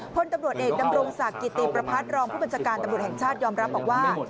พลตำรวจเอกดำรงศักดิ์กิติประพัฒน์รองผู้บัญชาการตำรวจแห่งชาติยอมรับบอกว่า